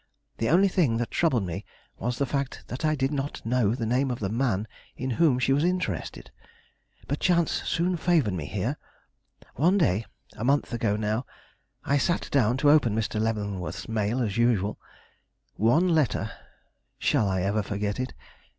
The only thing that troubled me was the fact that I did not know the name of the man in whom she was interested. But chance soon favored me here. One day a month ago now I sat down to open Mr. Leavenworth's mail as usual. One letter shall I ever forget it?